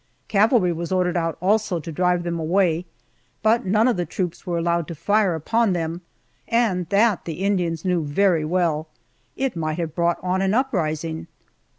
Cavalry was ordered out, also, to drive them away, but none of the troops were allowed to fire upon them, and that the Indians knew very well. It might have brought on an uprising!